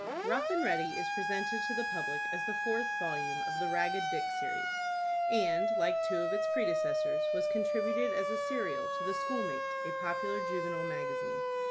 "ROUGH AND READY" is presented to the public as the fourth volume of the "Ragged Dick Series," and, like two of its predecessors, was contributed as a serial to the "Schoolmate," a popular juvenile magazine.